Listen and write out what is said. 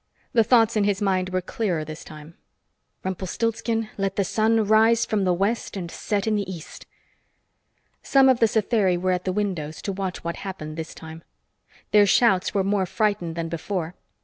The thoughts in his mind were clearer this time. "Rumpelstilsken, let the sun rise from the west and set in the east!" Some of the Satheri were at the windows to watch what happened this time. Their shouts were more frightened than before.